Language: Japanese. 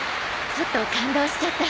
ちょっと感動しちゃった。